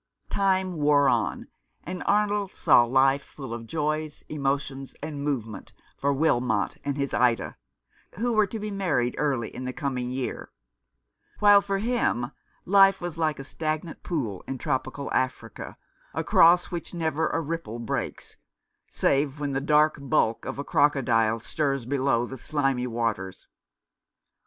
TIME wore on, and Arnold saw life full of joys,: emotions, and movement for Wilmot and his Ida,: who were to be married early in the coming year ; while for him life was like a stagnant pool in tropical Africa, across which never a ripple breaks^ save when the dark bulk of a crocodile stirs below the slimy waters.